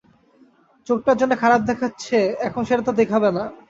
চোখটার জন্যে খারাপ দেখাচ্ছে এখন সেটা তো দেখাবে না।